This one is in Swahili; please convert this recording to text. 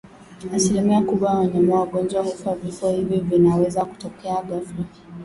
Asilimia kubwa ya wanyama wagonjwa hufa Vifo hivi vinaweza kutokea ghafla